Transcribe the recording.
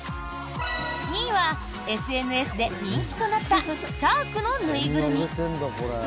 ２位はＳＮＳで人気となったシャークの縫いぐるみ。